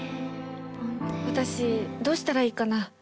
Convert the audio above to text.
私どうしたらいいかな？